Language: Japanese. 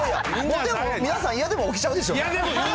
皆さん、嫌でも起きちゃうでしょ。